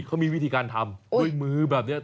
เขามีวิธีการทำด้วยมือแบบนี้